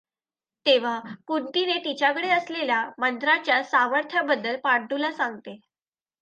तेव्हा कुंतिने तिच्याकडे असलेल्या मंत्राच्या सामर्थ्याबद्दल पांडूला सांगते.